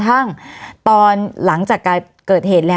วันนี้แม่ช่วยเงินมากกว่า